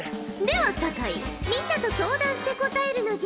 では酒井みんなと相談して答えるのじゃ。